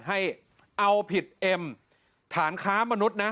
ให้เอาผิดเอ็มฐานค้ามนุษย์นะ